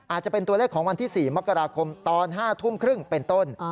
อาจจะเป็นตัวเลขของวันที่๔มกราคมตอน๕ทุ่มครึ่งเป็นต้น